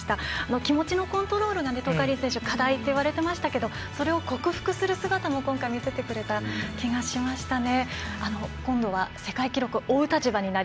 気持ちのコントロールが課題っていわれてましたがそれを克服する姿も今回見せてくれた気がしましたね。